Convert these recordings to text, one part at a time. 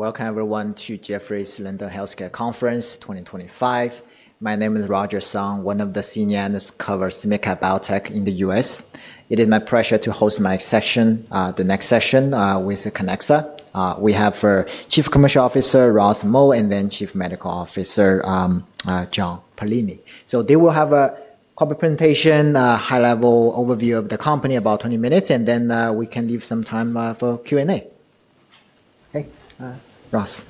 Welcome, everyone, to Jefferies Lending Healthcare Conference 2025. My name is Roger Song, one of the senior analysts covering biotech in the U.S. It is my pleasure to host my section, the next session, with Kiniksa. We have Chief Commercial Officer Ross Moat and then Chief Medical Officer John Paolini. They will have a corporate presentation, a high-level overview of the company, about 20 minutes, and then we can leave some time for Q&A. Okay, Ross.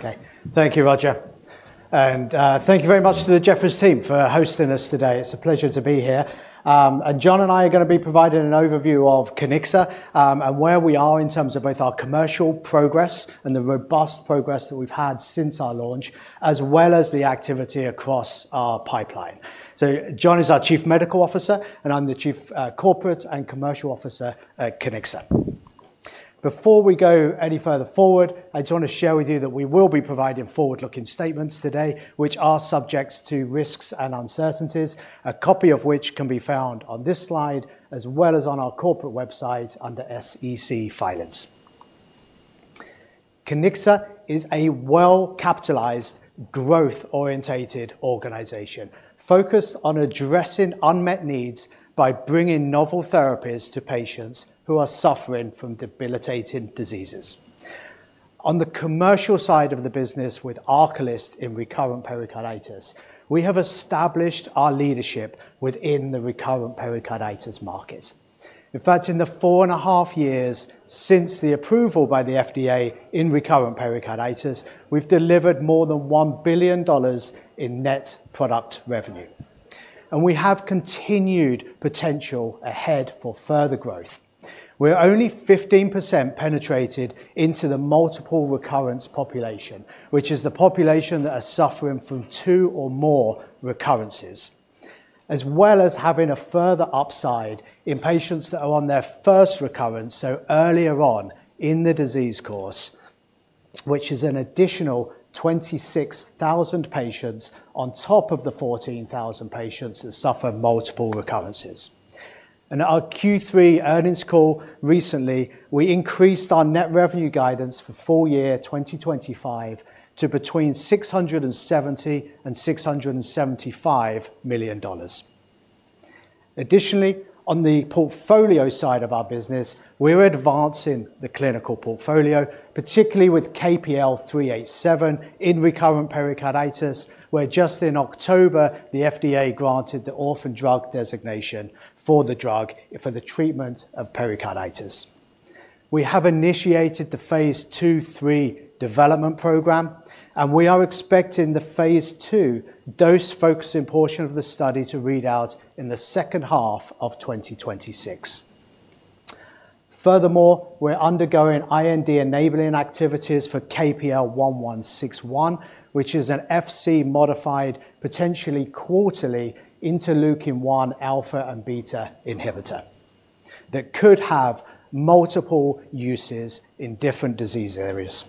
Okay, thank you, Roger. Thank you very much to the Jefferies team for hosting us today. It's a pleasure to be here. John and I are going to be providing an overview of Kiniksa and where we are in terms of both our commercial progress and the robust progress that we've had since our launch, as well as the activity across our pipeline. John is our Chief Medical Officer, and I'm the Chief Corporate and Commercial Officer at Kiniksa. Before we go any further forward, I just want to share with you that we will be providing forward-looking statements today, which are subject to risks and uncertainties, a copy of which can be found on this slide, as well as on our corporate website under SEC filings. Kiniksa is a well-capitalized, growth-oriented organization focused on addressing unmet needs by bringing novel therapies to patients who are suffering from debilitating diseases. On the commercial side of the business with ARCALYST in recurrent pericarditis, we have established our leadership within the recurrent pericarditis market. In fact, in the four and a half years since the approval by the FDA in recurrent pericarditis, we've delivered more than $1 billion in net product revenue. We have continued potential ahead for further growth. We're only 15% penetrated into the multiple recurrence population, which is the population that is suffering from two or more recurrences, as well as having a further upside in patients that are on their first recurrence, so earlier on in the disease course, which is an additional 26,000 patients on top of the 14,000 patients that suffer multiple recurrences. At our Q3 earnings call recently, we increased our net revenue guidance for full year 2025 to between $670 million and $675 million. Additionally, on the portfolio side of our business, we're advancing the clinical portfolio, particularly with KPL-387 in recurrent pericarditis, where just in October, the FDA granted the orphan drug designation for the drug for the treatment of pericarditis. We have initiated the phase 2/3 development program, and we are expecting the phase II dose-focusing portion of the study to read out in the second half of 2026. Furthermore, we're undergoing IND-enabling activities for KPL-1161, which is an FC-modified, potentially quarterly interleukin-1 alpha and beta inhibitor that could have multiple uses in different disease areas.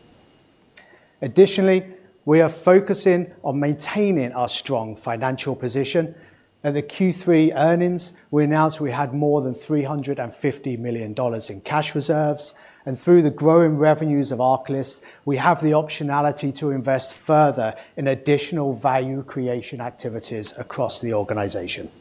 Additionally, we are focusing on maintaining our strong financial position. At the Q3 earnings, we announced we had more than $350 million in cash reserves. Through the growing revenues of ARCALYST, we have the optionality to invest further in additional value creation activities across the organization.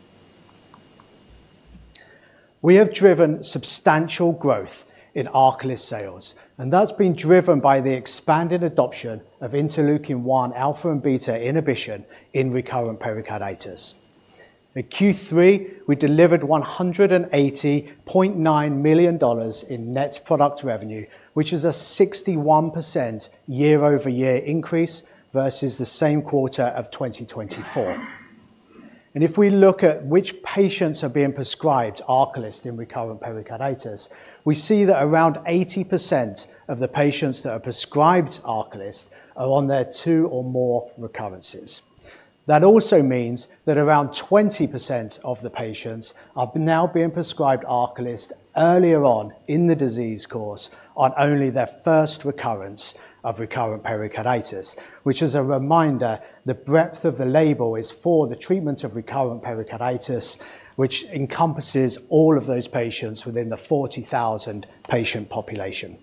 We have driven substantial growth in ARCALYST sales, and that's been driven by the expanded adoption of interleukin-1 alpha and beta inhibition in recurrent pericarditis. At Q3, we delivered $180.9 million in net product revenue, which is a 61% year-over-year increase versus the same quarter of 2024. If we look at which patients are being prescribed ARCALYST in recurrent pericarditis, we see that around 80% of the patients that are prescribed ARCALYST are on their two or more recurrences. That also means that around 20% of the patients are now being prescribed ARCALYST earlier on in the disease course on only their first recurrence of recurrent pericarditis, which, as a reminder, the breadth of the label is for the treatment of recurrent pericarditis, which encompasses all of those patients within the 40,000 patient population.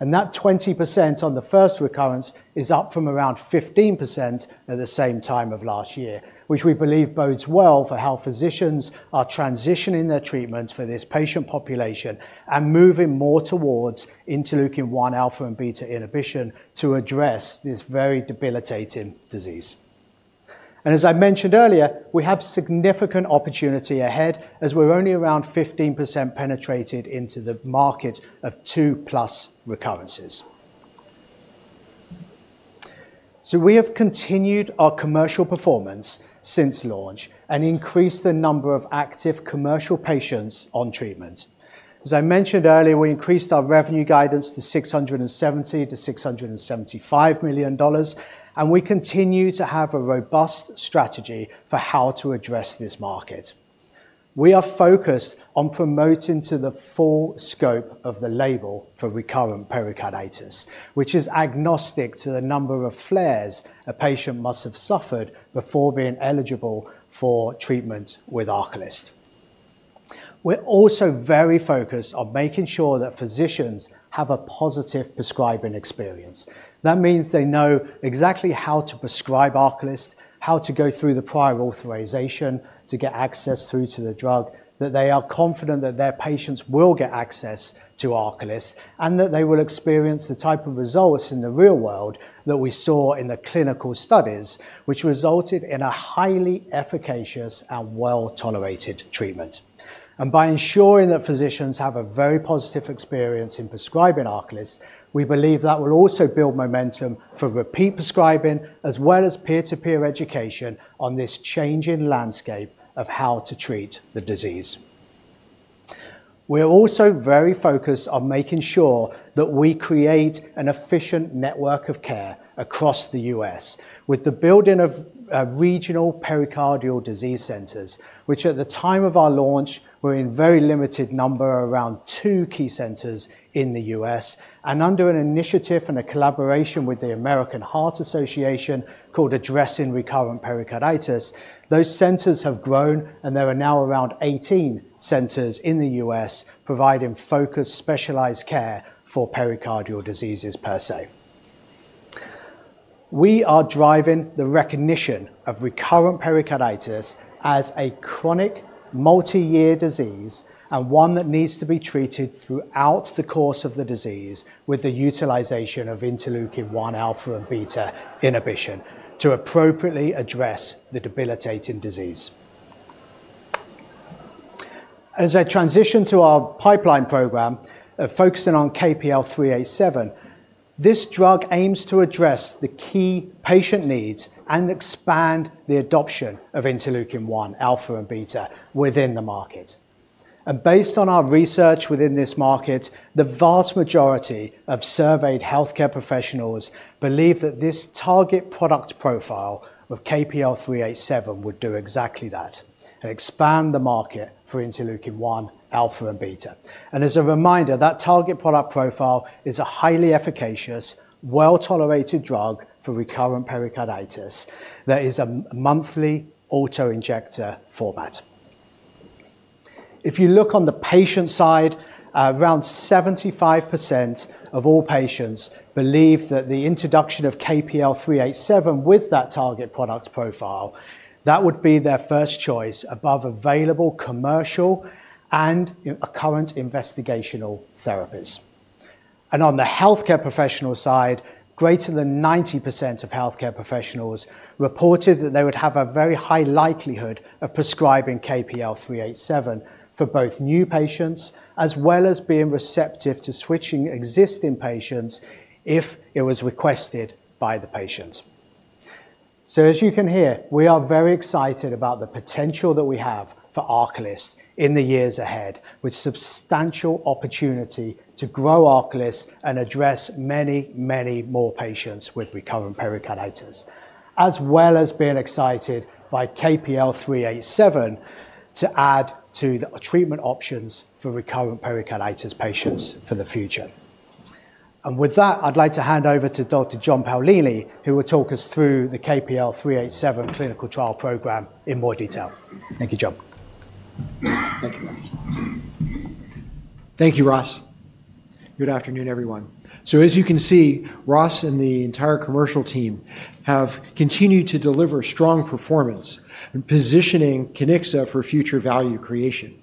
That 20% on the first recurrence is up from around 15% at the same time of last year, which we believe bodes well for health physicians who are transitioning their treatment for this patient population and moving more towards interleukin-1 alpha and beta inhibition to address this very debilitating disease. As I mentioned earlier, we have significant opportunity ahead as we're only around 15% penetrated into the market of two-plus recurrences. We have continued our commercial performance since launch and increased the number of active commercial patients on treatment. As I mentioned earlier, we increased our revenue guidance to $670 million-$675 million, and we continue to have a robust strategy for how to address this market. We are focused on promoting to the full scope of the label for recurrent pericarditis, which is agnostic to the number of flares a patient must have suffered before being eligible for treatment with ARCALYST. We're also very focused on making sure that physicians have a positive prescribing experience. That means they know exactly how to prescribe ARCALYST, how to go through the prior authorization to get access through to the drug, that they are confident that their patients will get access to ARCALYST, and that they will experience the type of results in the real world that we saw in the clinical studies, which resulted in a highly efficacious and well-tolerated treatment. By ensuring that physicians have a very positive experience in prescribing ARCALYST, we believe that will also build momentum for repeat prescribing, as well as peer-to-peer education on this changing landscape of how to treat the disease. We're also very focused on making sure that we create an efficient network of care across the U.S., with the building of regional pericardial disease centers, which at the time of our launch were in a very limited number, around two key centers in the U.S. Under an initiative and a collaboration with the American Heart Association called Addressing Recurrent Pericarditis, those centers have grown, and there are now around 18 centers in the U.S. providing focused specialized care for pericardial diseases per se. We are driving the recognition of recurrent pericarditis as a chronic multi-year disease and one that needs to be treated throughout the course of the disease with the utilization of interleukin-1 alpha and beta inhibition to appropriately address the debilitating disease. As I transition to our pipeline program, focusing on KPL-387, this drug aims to address the key patient needs and expand the adoption of interleukin-1 alpha and beta within the market. Based on our research within this market, the vast majority of surveyed healthcare professionals believe that this target product profile of KPL-387 would do exactly that and expand the market for interleukin-1 alpha and beta. As a reminder, that target product profile is a highly efficacious, well-tolerated drug for recurrent pericarditis that is a monthly auto-injector format. If you look on the patient side, around 75% of all patients believe that the introduction of KPL-387 with that target product profile, that would be their first choice above available commercial and current investigational therapies. On the healthcare professional side, greater than 90% of healthcare professionals reported that they would have a very high likelihood of prescribing KPL-387 for both new patients, as well as being receptive to switching existing patients if it was requested by the patient. As you can hear, we are very excited about the potential that we have for ARCALYST in the years ahead, with substantial opportunity to grow ARCALYST and address many, many more patients with recurrent pericarditis, as well as being excited by KPL-387 to add to the treatment options for recurrent pericarditis patients for the future. With that, I'd like to hand over to Dr. John Paolini, who will talk us through the KPL-387 clinical trial program in more detail. Thank you, John. Thank you, Ross. Good afternoon, everyone. As you can see, Ross and the entire commercial team have continued to deliver strong performance and positioning Kiniksa for future value creation.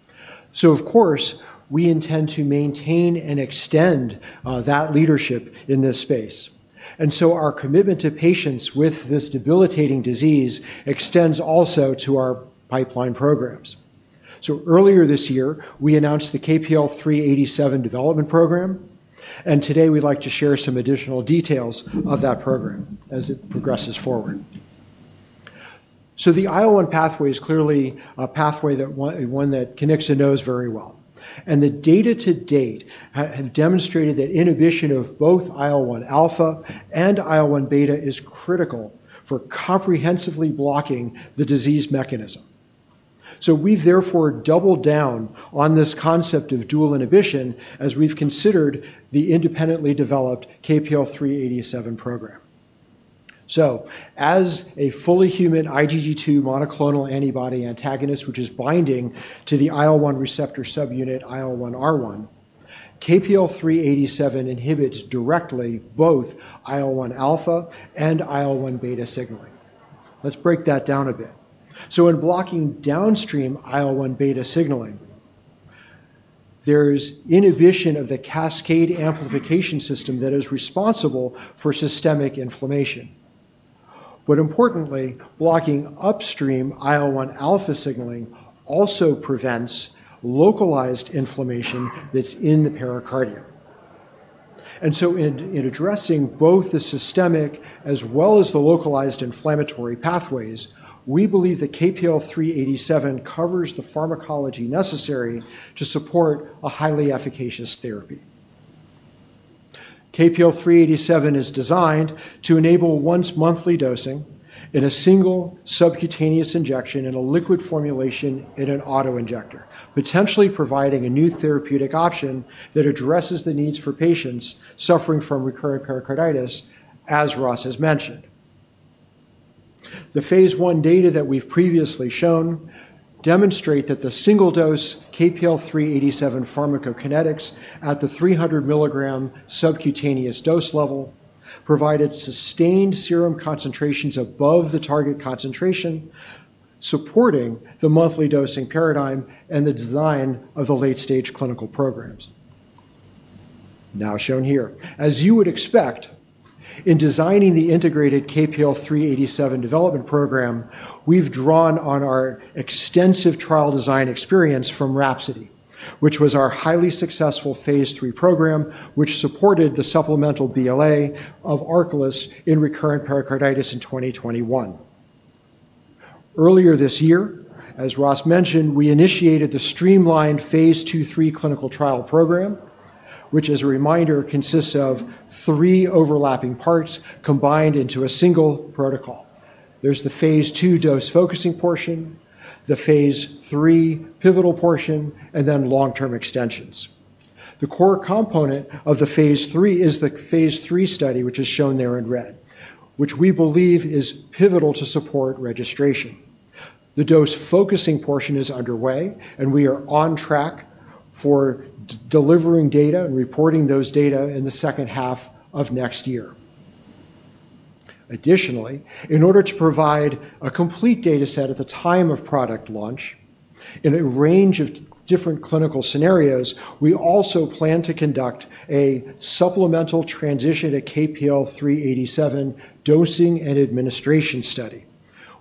Of course, we intend to maintain and extend that leadership in this space. Our commitment to patients with this debilitating disease extends also to our pipeline programs. Earlier this year, we announced the KPL-387 development program, and today we'd like to share some additional details of that program as it progresses forward. The IL-1 pathway is clearly a pathway that Kiniksa knows very well. The data to date have demonstrated that inhibition of both IL-1 alpha and IL-1 beta is critical for comprehensively blocking the disease mechanism. We've therefore doubled down on this concept of dual inhibition as we've considered the independently developed KPL-387 program. As a fully human IgG2 monoclonal antibody antagonist, which is binding to the IL-1 receptor subunit IL-1R1, KPL-387 inhibits directly both IL-1 alpha and IL-1 beta signaling. Let's break that down a bit. In blocking downstream IL-1 beta signaling, there is inhibition of the cascade amplification system that is responsible for systemic inflammation. Importantly, blocking upstream IL-1 alpha signaling also prevents localized inflammation that is in the pericardium. In addressing both the systemic as well as the localized inflammatory pathways, we believe that KPL-387 covers the pharmacology necessary to support a highly efficacious therapy. KPL-387 is designed to enable once-monthly dosing in a single subcutaneous injection in a liquid formulation in an auto-injector, potentially providing a new therapeutic option that addresses the needs for patients suffering from recurrent pericarditis, as Ross has mentioned. The phase I data that we've previously shown demonstrate that the single-dose KPL-387 pharmacokinetics at the 300 mg subcutaneous dose level provided sustained serum concentrations above the target concentration, supporting the monthly dosing paradigm and the design of the late-stage clinical programs. Now shown here. As you would expect, in designing the integrated KPL-387 development program, we've drawn on our extensive trial design experience from RHAPSODY, which was our highly successful phase III program, which supported the supplemental BLA of ARCALYST in recurrent pericarditis in 2021. Earlier this year, as Ross mentioned, we initiated the streamlined phase 2/3 clinical trial program, which, as a reminder, consists of three overlapping parts combined into a single protocol. There's the phase II dose-focusing portion, the phase III pivotal portion, and then long-term extensions. The core component of the phase III is the phase III study, which is shown there in red, which we believe is pivotal to support registration. The dose-focusing portion is underway, and we are on track for delivering data and reporting those data in the second half of next year. Additionally, in order to provide a complete data set at the time of product launch in a range of different clinical scenarios, we also plan to conduct a supplemental transition to KPL-387 dosing and administration study,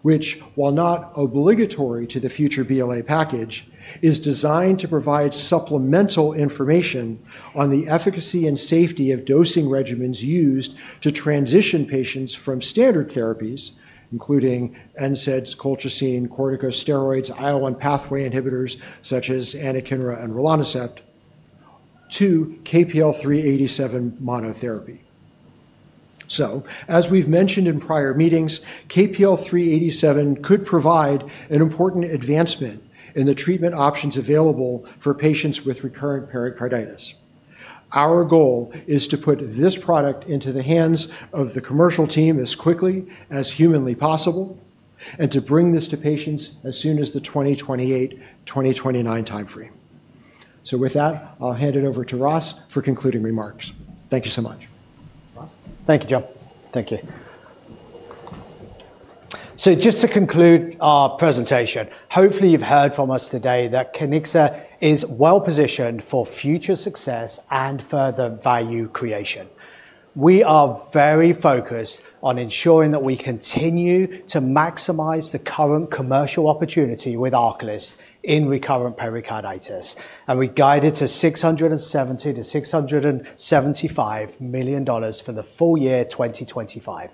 which, while not obligatory to the future BLA package, is designed to provide supplemental information on the efficacy and safety of dosing regimens used to transition patients from standard therapies, including NSAIDs, colchicine, corticosteroids, IL-1 pathway inhibitors such as anakinra and ARCALYST, to KPL-387 monotherapy. As we've mentioned in prior meetings, KPL-387 could provide an important advancement in the treatment options available for patients with recurrent pericarditis. Our goal is to put this product into the hands of the commercial team as quickly as humanly possible and to bring this to patients as soon as the 2028-2029 timeframe. With that, I'll hand it over to Ross for concluding remarks. Thank you so much. Thank you, John. Thank you. Just to conclude our presentation, hopefully you've heard from us today that Kiniksa is well-positioned for future success and further value creation. We are very focused on ensuring that we continue to maximize the current commercial opportunity with ARCALYST in recurrent pericarditis, and we guided to $670 million-$675 million for the full year 2025.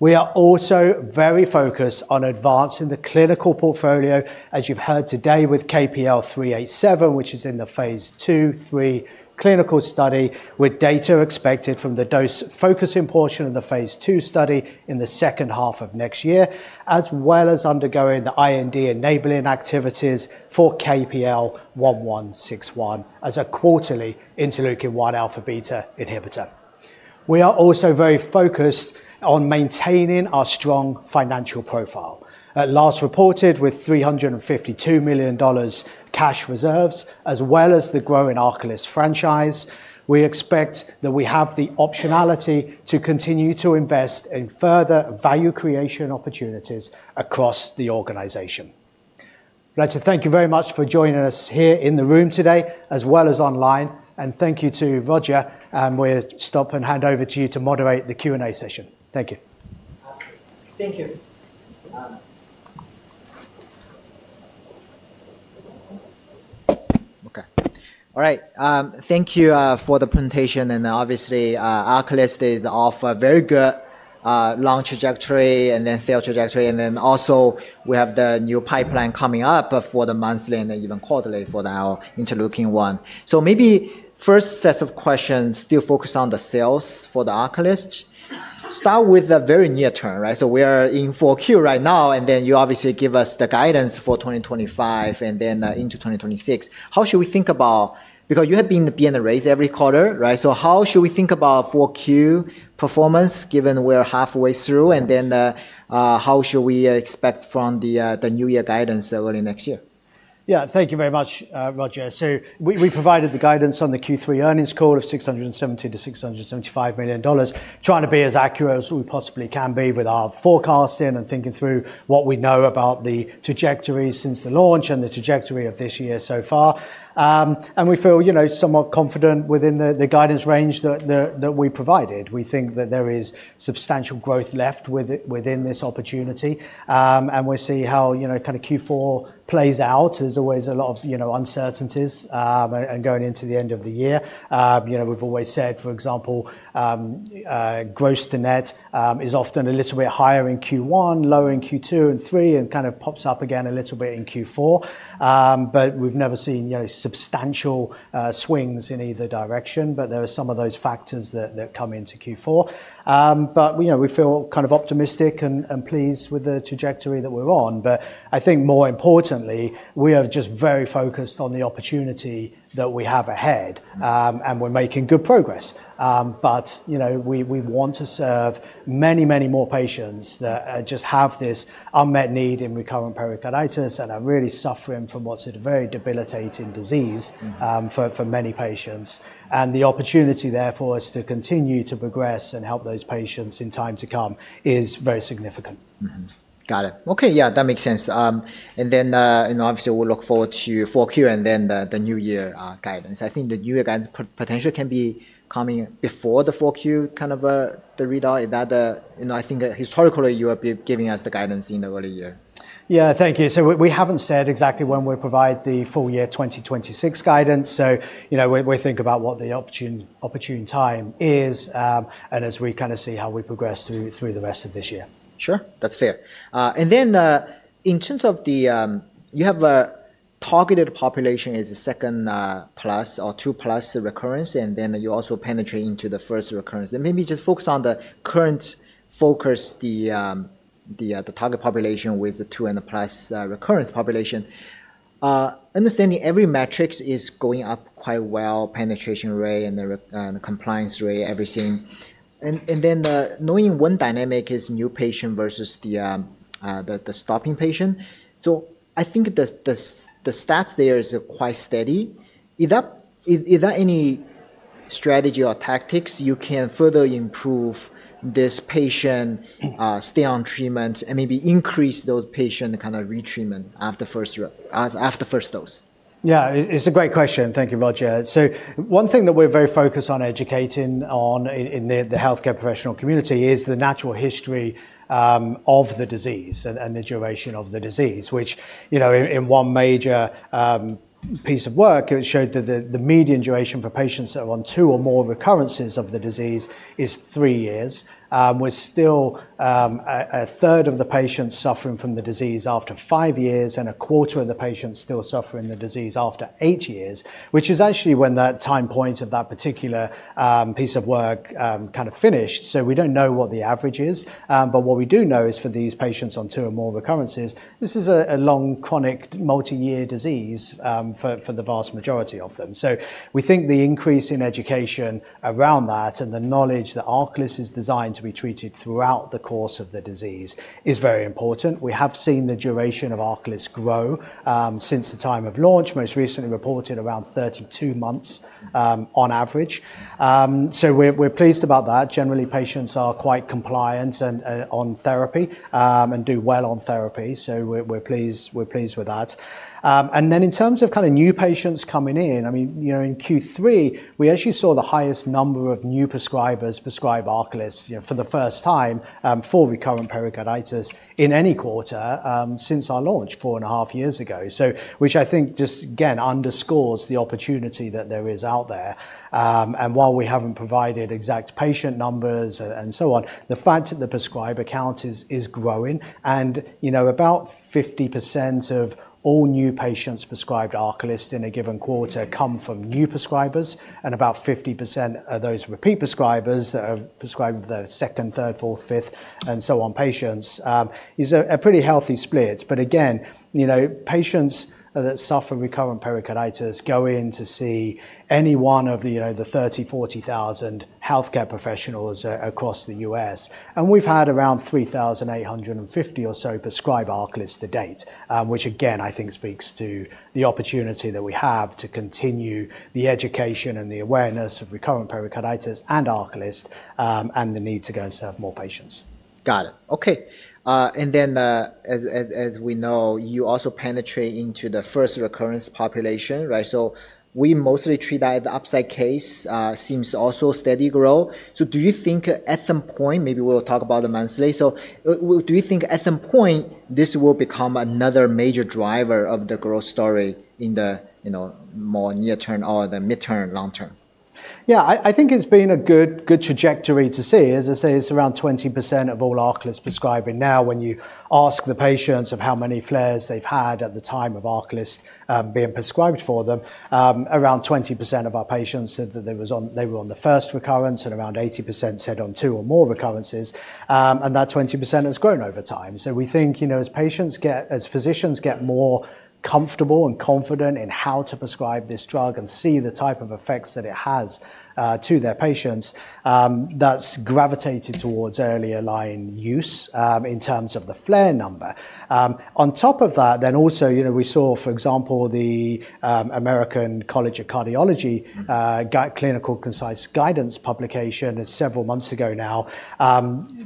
We are also very focused on advancing the clinical portfolio, as you've heard today, with KPL-387, which is in the phase 2/3 clinical study, with data expected from the dose-focusing portion of the phase II study in the second half of next year, as well as undergoing the IND-enabling activities for KPL-1161 as a quarterly interleukin-1 alpha beta inhibitor. We are also very focused on maintaining our strong financial profile. At last reported with $352 million cash reserves, as well as the growing ARCALYST franchise, we expect that we have the optionality to continue to invest in further value creation opportunities across the organization. I'd like to thank you very much for joining us here in the room today, as well as online, and thank you to Roger. We will stop and hand over to you to moderate the Q&A session. Thank you. Thank you. Okay. All right. Thank you for the presentation. And obviously, ARCALYST is off a very good long trajectory and then sales trajectory. And then also we have the new pipeline coming up for the monthly and even quarterly for the interleukin-1. So maybe first set of questions still focus on the sales for the ARCALYST. Start with a very near term, right? So we are in 4Q right now, and then you obviously give us the guidance for 2025 and then into 2026. How should we think about, because you have been being raised every quarter, right? So how should we think about 4Q performance given we are halfway through? And then how should we expect from the new year guidance early next year? Yeah, thank you very much, Roger. We provided the guidance on the Q3 earnings call of $670 million-$675 million, trying to be as accurate as we possibly can be with our forecasting and thinking through what we know about the trajectory since the launch and the trajectory of this year so far. We feel somewhat confident within the guidance range that we provided. We think that there is substantial growth left within this opportunity. We see how kind of Q4 plays out. There is always a lot of uncertainties going into the end of the year. We have always said, for example, gross to net is often a little bit higher in Q1, lower in Q2 and Q3, and kind of pops up again a little bit in Q4. We've never seen substantial swings in either direction, but there are some of those factors that come into Q4. We feel kind of optimistic and pleased with the trajectory that we're on. I think more importantly, we are just very focused on the opportunity that we have ahead, and we're making good progress. We want to serve many, many more patients that just have this unmet need in recurrent pericarditis and are really suffering from what's a very debilitating disease for many patients. The opportunity therefore is to continue to progress and help those patients in time to come is very significant. Got it. Okay. Yeah, that makes sense. Obviously we'll look forward to 4Q and then the new year guidance. I think the new year guidance potentially can be coming before the 4Q kind of the readout. I think historically you were giving us the guidance in the early year. Yeah, thank you. We haven't said exactly when we'll provide the full year 2026 guidance. We think about what the opportune time is as we kind of see how we progress through the rest of this year. Sure, that's fair. In terms of the, you have a targeted population as a second plus or two plus recurrence, and then you also penetrate into the first recurrence. Maybe just focus on the current focus, the target population with the two and the plus recurrence population. Understanding every metric is going up quite well, penetration rate and the compliance rate, everything. Knowing one dynamic is new patient versus the stopping patient. I think the stats there is quite steady. Is there any strategy or tactics you can further improve this patient stay on treatment and maybe increase those patient kind of retreatment after first dose? Yeah, it's a great question. Thank you, Roger. One thing that we're very focused on educating on in the healthcare professional community is the natural history of the disease and the duration of the disease, which in one major piece of work, it showed that the median duration for patients that are on two or more recurrences of the disease is three years. We're still a third of the patients suffering from the disease after five years, and a quarter of the patients still suffering the disease after eight years, which is actually when that time point of that particular piece of work kind of finished. We don't know what the average is, but what we do know is for these patients on two or more recurrences, this is a long chronic multi-year disease for the vast majority of them. We think the increase in education around that and the knowledge that ARCALYST is designed to be treated throughout the course of the disease is very important. We have seen the duration of ARCALYST grow since the time of launch, most recently reported around 32 months on average. We're pleased about that. Generally, patients are quite compliant on therapy and do well on therapy. We're pleased with that. In terms of kind of new patients coming in, I mean, in Q3, we actually saw the highest number of new prescribers prescribe ARCALYST for the first time for recurrent pericarditis in any quarter since our launch four and a half years ago, which I think just again underscores the opportunity that there is out there. While we haven't provided exact patient numbers and so on, the fact that the prescriber count is growing. About 50% of all new patients prescribed ARCALYST in a given quarter come from new prescribers, and about 50% are those repeat prescribers that are prescribed the second, third, fourth, fifth, and so on patients. It's a pretty healthy split. Patients that suffer recurrent pericarditis go in to see any one of the 30,000-40,000 healthcare professionals across the U.S. We have had around 3,850 or so prescribe ARCALYST to date, which again, I think speaks to the opportunity that we have to continue the education and the awareness of recurrent pericarditis and ARCALYST and the need to go and serve more patients. Got it. Okay. As we know, you also penetrate into the first recurrence population, right? We mostly treat that as the upside case, seems also steady growth. Do you think at some point, maybe we'll talk about the monthly, do you think at some point this will become another major driver of the growth story in the more near term or the midterm long term? Yeah, I think it's been a good trajectory to see. As I say, it's around 20% of all ARCALYST prescribing. Now, when you ask the patients of how many flares they've had at the time of ARCALYST being prescribed for them, around 20% of our patients said that they were on the first recurrence and around 80% said on two or more recurrences. That 20% has grown over time. We think as physicians get more comfortable and confident in how to prescribe this drug and see the type of effects that it has to their patients, that's gravitated towards earlier line use in terms of the flare number. On top of that, then also we saw, for example, the American College of Cardiology Clinical Concise Guidance publication several months ago now,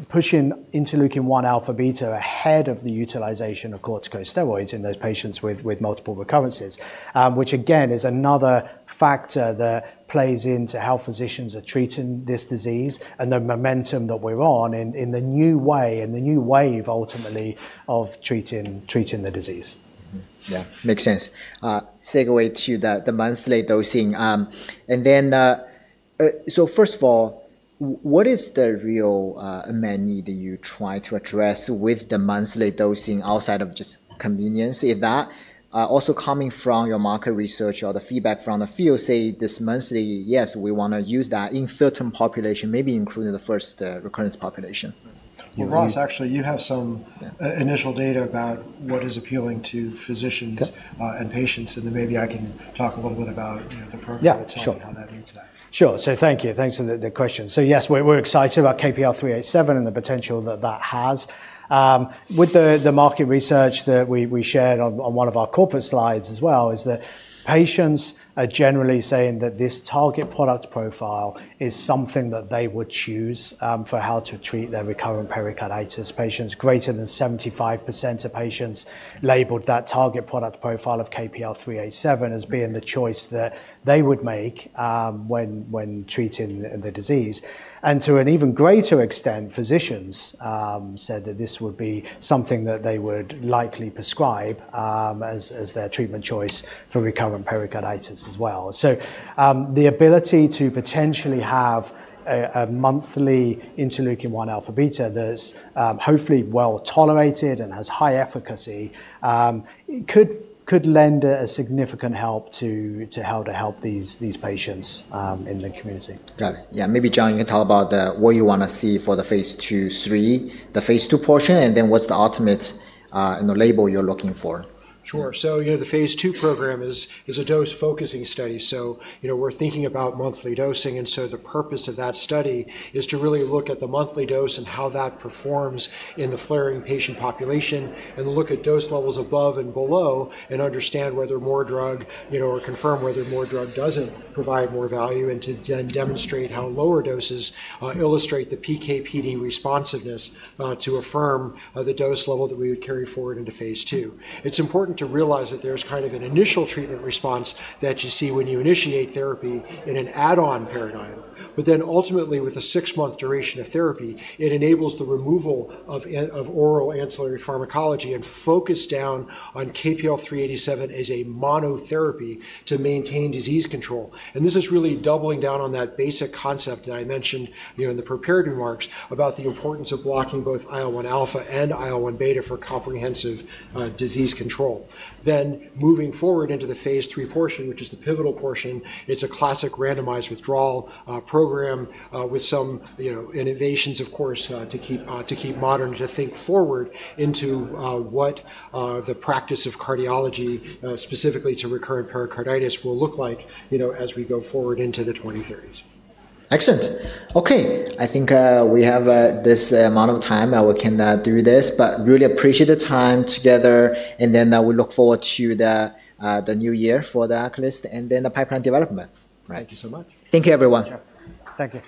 pushing interleukin-1 alpha beta ahead of the utilization of corticosteroids in those patients with multiple recurrences, which again is another factor that plays into how physicians are treating this disease and the momentum that we're on in the new way and the new wave ultimately of treating the disease. Yeah, makes sense. Segue to the monthly dosing. First of all, what is the real main need that you try to address with the monthly dosing outside of just convenience? Is that also coming from your market research or the feedback from the field, say this monthly, yes, we want to use that in certain population, maybe including the first recurrence population? Ross, actually, you have some initial data about what is appealing to physicians and patients, and then maybe I can talk a little bit about the program itself and how that meets that. Sure. Thank you. Thanks for the question. Yes, we're excited about KPL-387 and the potential that that has. With the market research that we shared on one of our corporate slides as well, patients are generally saying that this target product profile is something that they would choose for how to treat their recurrent pericarditis. Greater than 75% of patients labeled that target product profile of KPL-387 as being the choice that they would make when treating the disease. To an even greater extent, physicians said that this would be something that they would likely prescribe as their treatment choice for recurrent pericarditis as well. The ability to potentially have a monthly interleukin-1 alpha beta that's hopefully well tolerated and has high efficacy could lend a significant help to how to help these patients in the community. Got it. Yeah. Maybe John, you can talk about what you want to see for the phase 2/3 the phase II portion, and then what's the ultimate label you're looking for? Sure. The phase II program is a dose-focusing study. We're thinking about monthly dosing. The purpose of that study is to really look at the monthly dose and how that performs in the flaring patient population and look at dose levels above and below and understand whether more drug or confirm whether more drug does not provide more value and to then demonstrate how lower doses illustrate the PK/PD responsiveness to affirm the dose level that we would carry forward into phase II. It's important to realize that there's kind of an initial treatment response that you see when you initiate therapy in an add-on paradigm. Ultimately, with a six-month duration of therapy, it enables the removal of oral ancillary pharmacology and focus down on KPL-387 as a monotherapy to maintain disease control. This is really doubling down on that basic concept that I mentioned in the preparatory marks about the importance of blocking both IL-1 alpha and IL-1 beta for comprehensive disease control. Moving forward into the phase III portion, which is the pivotal portion, it is a classic randomized withdrawal program with some innovations, of course, to keep modern, to think forward into what the practice of cardiology, specifically to recurrent pericarditis, will look like as we go forward into the 2030s. Excellent. Okay. I think we have this amount of time that we can do this, but really appreciate the time together. We look forward to the new year for the ARCALYST and then the pipeline development. Thank you so much. Thank you, everyone. Thanks.